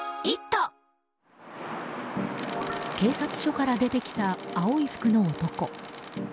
警察署から出てきた青い服の男。